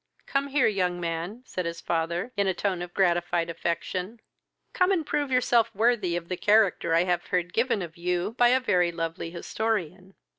"Come here, young man, (said his father, in a tone of gratified affection,) come and prove yourself worthy of the character I have heard given of you by a very lovely historian.